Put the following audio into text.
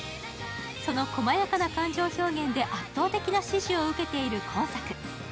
その細やかな感情表現で圧倒的な支持を受けている今作。